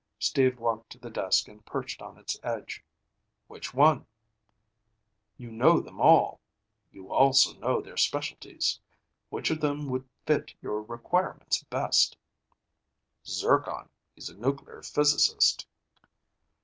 Steve walked to the desk and perched on its edge. "Which one?" "You know them all. You also know their specialties. Which of them would fit your requirements best?" "Zircon. He's a nuclear physicist."